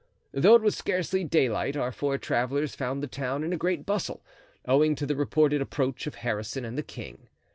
Though it was scarcely daylight our four travelers found the town in a great bustle, owing to the reported approach of Harrison and the king.